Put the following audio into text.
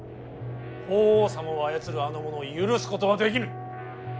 法皇様を操るあの者を許すことはできぬ。